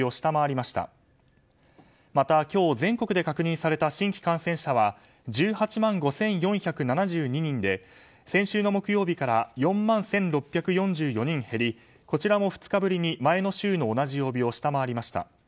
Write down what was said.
また今日全国で確認された新規感染者は１８万５４７２人で先週の木曜日から４万１６４４人減りこちらも２日ぶりに前の週の同じ曜日を下回りました。